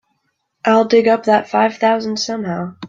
I'll dig up that five thousand somehow.